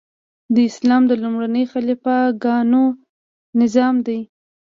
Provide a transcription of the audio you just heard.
د اسلام د لومړنیو خلیفه ګانو نظام دی.